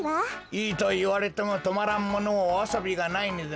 いいといわれてもとまらんものはワサビがないでの。